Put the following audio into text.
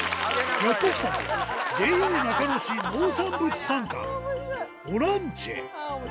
やって来たのは、ＪＡ中野市農産物産館オランチェ。